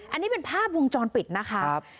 อันนี้เป็นภาพวงจรปิดนะคะ